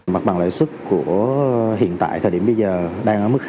mặt bằng lãi xuất của hiện tại thời điểm bây giờ đang ở mức khí